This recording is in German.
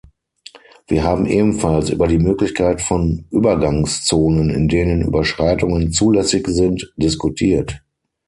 Wir haben ebenfalls über die Möglichkeit von Übergangszonen, in denen Überschreitungen zulässig sind, diskutiert.